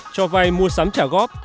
cho vay mua sắm trả góp